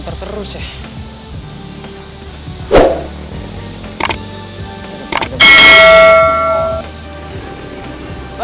di indonesia hai